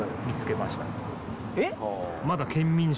えっ？